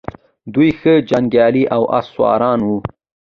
دوی ښه جنګیالي او آس سواران وو